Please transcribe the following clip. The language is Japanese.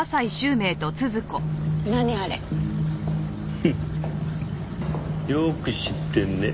フッよく知ってんね。